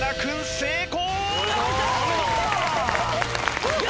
成功！